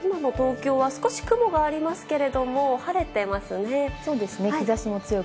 今の東京は少し雲がありますけれども晴れてますね。